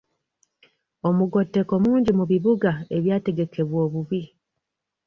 Omugotteko mungi mu bibuga ebyategekebwa obubi.